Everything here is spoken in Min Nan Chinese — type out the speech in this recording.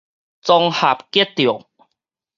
綜合格鬥